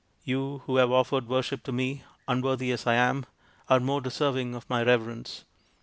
You who have offered worship to me, un worthy as I am, are more deserving of my reverence.